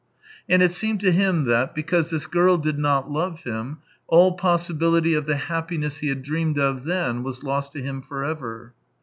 And it seemed to him that, because this girl did not love him, all possibility of the happiness he had dreamed of then was lost to him for ever.